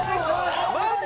マジ！？